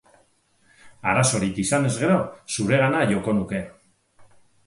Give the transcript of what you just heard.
Arazorik izanez gero, zuregana joko nuke.